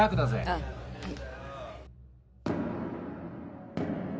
あっはい。